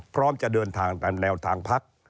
พร้อมจะเดินทางตามแนวทางพัก